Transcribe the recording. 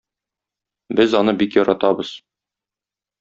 Без аны бик яратабыз.